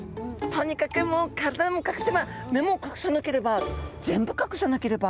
とにかくもう体も隠せば目も隠さなければ全部隠さなければ！